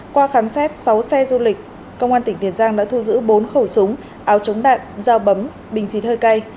qua khám xét sáu xe du lịch công an tỉnh tiền giang đã thu giữ bốn khẩu súng áo chống đạn dao bấm bình xịt hơi cay